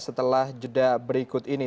setelah jeda berikut ini